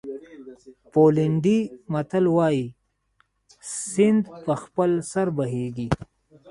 پولنډي متل وایي سیند په خپل سر بهېږي.